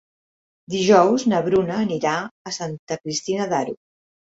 Dijous na Bruna anirà a Santa Cristina d'Aro.